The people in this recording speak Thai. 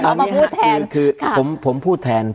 การแสดงความคิดเห็น